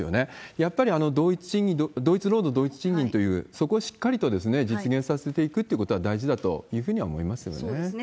やっぱり同一労働同一賃金っていう、そこをしっかりと実現させていくということは大事だというふうには思いますよね。